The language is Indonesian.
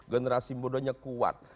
generasi mudanya kuat